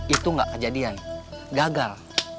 itu nggak kejadian gagal